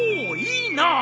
いいなあ！